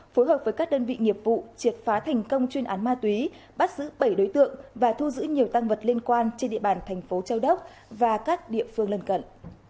phối hợp với các đơn vị nghiệp vụ triệt phá thành công chuyên án ma túy bắt giữ bảy đối tượng và thu giữ nhiều tăng vật liên quan trên địa bàn thành phố châu đốc và các địa phương lân cận